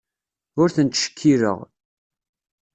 Ur ten-ttcekkileɣ.